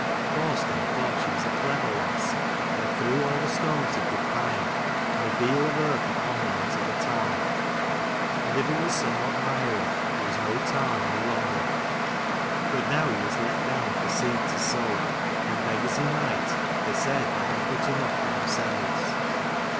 Thorstein thought she was a clever lass, and threw all the stones he could find, and a deal of earth upon them into the tarn ; and if it was somewhat miry, it was no tarn any longer. But now he was let down for seed to sow : and beg as he might, they said they had but enough for themselves.